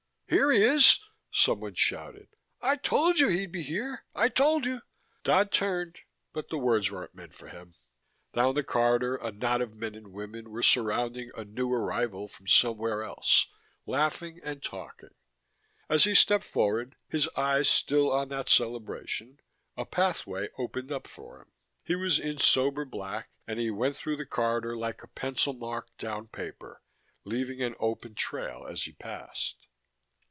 "Here he is!" someone shouted. "I told you he'd be here ... I told you...." Dodd turned but the words weren't meant for him. Down the corridor a knot of men and women was surrounding a new arrival from somewhere else, laughing and talking. As he stepped forward, his eyes still on that celebration, a pathway opened up for him; he was in sober black and he went through the corridor like a pencil mark down paper, leaving an open trail as he passed.